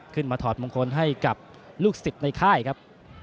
ขึ้นมาถอดมงคลให้กับลูกสิทธิ์ในค่ายครับ